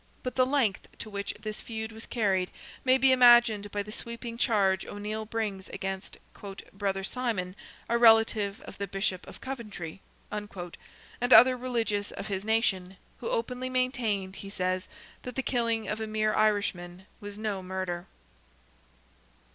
But the length to which this feud was carried may be imagined by the sweeping charge O'Neil brings against "Brother Symon, a relative of the Bishop of Coventry," and other religious of his nation, who openly maintained, he says, that the killing of a mere Irishman was no murder.